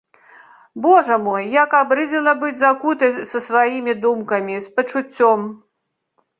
Божа мой, як абрыдзела быць закутай са сваімі думкамі, з пачуццём.